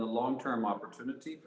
dan kesempatan panjang